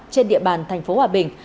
trên địa bàn thành phố hòa bình